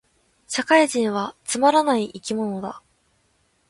社会人はつまらない生き物だ